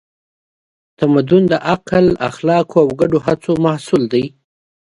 تمدن د عقل، اخلاقو او ګډو هڅو محصول دی.